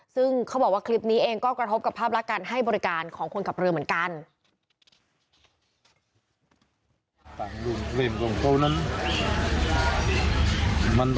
ซึ่งเขาบอกว่าคลิปนี้เองก็กระทบกับภาพลักษณ์การให้บริการของคนขับเรือเหมือนกัน